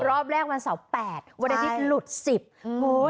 รอบแรกวันเสาร์แปดวันอาทิตย์หลุด๑๐โอ้ย